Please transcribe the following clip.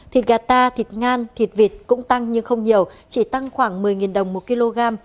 thịt gà ta thịt ngan thịt vịt cũng tăng nhưng không nhiều chỉ tăng khoảng một mươi đồng một kg